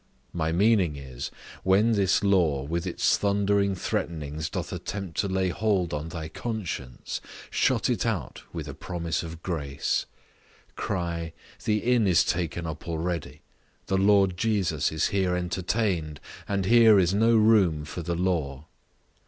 My meaning is, when this law with its thundering threatenings doth attempt to lay hold on thy conscience, shut it out with a promise of grace; cry, The inn is taken up already; the Lord Jesus is here entertained, and here is no room for the law.